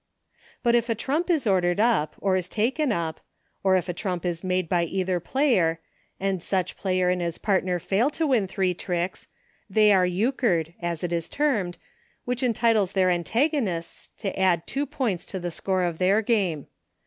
But if a trump is ordered up, or is taken up : or, if a trump is made by either player, and such player and his partner fail to win ::::ir :r::ks. ::tt are Euch?.ii\ as i: :s tern: ::. which entitles their antagonists to add two points to the score of their game.